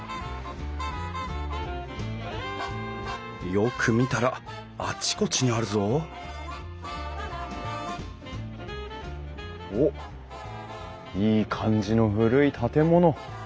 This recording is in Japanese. よく見たらあちこちにあるぞおっいい感じの古い建物！